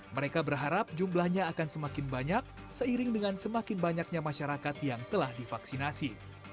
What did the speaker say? mereka berharap jumlahnya akan semakin banyak seiring dengan semakin banyaknya masyarakat yang telah divaksinasi